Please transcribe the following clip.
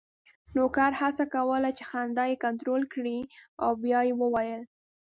نوکر هڅه کوله چې خندا یې کنټرول کړي او بیا یې وویل: